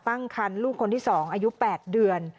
ตั้งคันลูกคนที่๒อายุ๘เดือน